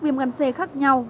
viêm gan c khác nhau